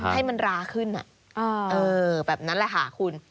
ให้มันราขึ้นแบบนั้นแหละค่ะคุณ